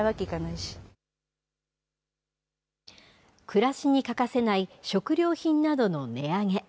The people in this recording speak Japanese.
暮らしに欠かせない食料品などの値上げ。